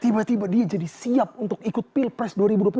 tiba tiba dia jadi siap untuk ikut pilpres dua ribu dua puluh empat